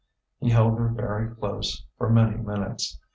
He held her very close for many minutes.